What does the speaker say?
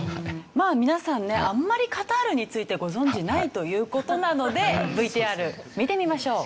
まあ皆さんねあんまりカタールについてご存じないという事なのでＶＴＲ見てみましょう。